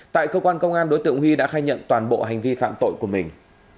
tại cơ quan công an đối tượng huy đã khai nhận toàn bộ hành vi phạm tội của mình